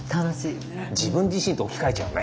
自分自身と置き換えちゃうね。